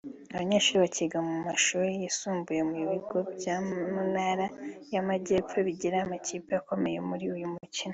abanyeshuri bakiga mu mashuri yisumbuye mu bigo byo mu Ntara y’Amajyepfo bigira amakipe akomeye muri uyu mukino